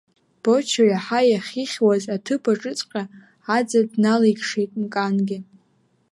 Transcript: Бочо иаҳа иахьихьуаз аҭыԥаҿыҵәҟьа аӡаӡ налеиқшеит Мкангьы.